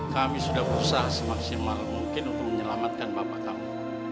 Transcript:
kami sudah berusaha semaksimal mungkin untuk menyelamatkan bapak kamu